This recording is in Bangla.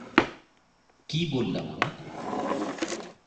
কী বললাম আমি?